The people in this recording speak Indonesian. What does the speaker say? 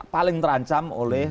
paling terancam oleh